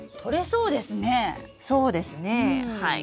そうですねはい。